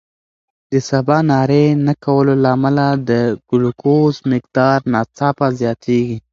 د سباناري نه کولو له امله د ګلوکوز مقدار ناڅاپه زیاتېږي.